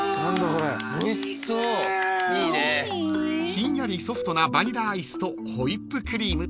［ひんやりソフトなバニラアイスとホイップクリーム］